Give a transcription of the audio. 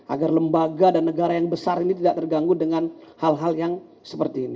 agar lembaga dan negara yang besar ini tidak terganggu dengan hal hal yang seperti ini